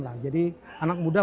lah jadi anak muda